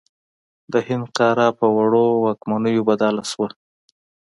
د هند قاره په وړو واکمنیو بدله شوه.